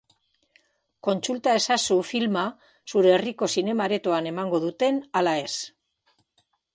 Kontsulta ezazu filma zure herriko zinema-aretoan emango duten ala ez.